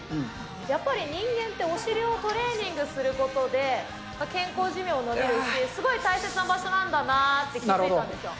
やっぱり人間って、お尻をトレーニングすることで、健康寿命が延びるし、すごい大切な場所だなって気付いたんですよ。